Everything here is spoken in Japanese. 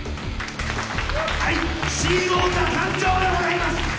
はい新王者誕生でございます！